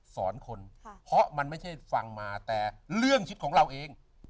สอนคนเพราะมันไม่ใช่ฟังมาแต่เรื่องชิปของเราเอง